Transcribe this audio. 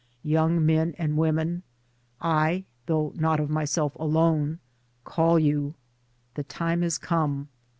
Young Men and Women, I — though not of myself alone — call you : the time is come.